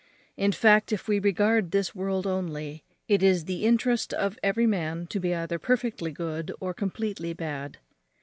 In fact, if we regard this world only, it is the interest of every man to be either perfectly good or completely bad.